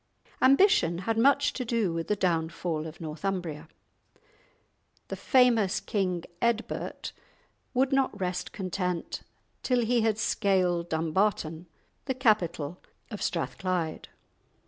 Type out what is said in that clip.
Ambition had much to do with the downfall of Northumbria. The famous King Eadbert would not rest content till he had scaled Dumbarton, the capital of Strathclyde.